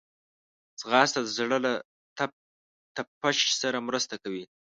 ځغاسته د زړه له تپش سره مرسته کوي